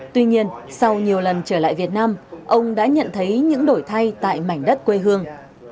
tuy nhiên sau nhiều lần trở lại việt nam ông đã nhận thấy những đổi thay tại mảnh đất quê hương